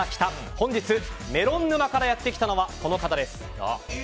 本日メロン沼からやってきたのはこの方です。